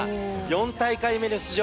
４大会目の出場